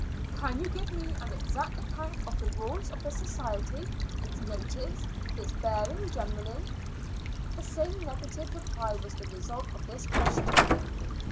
"Can you give me an exact account of the rules of the society, its motives, its bearing generally?" The same negative reply was the result of this question.